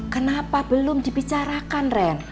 kenapa belum dibicarakan ren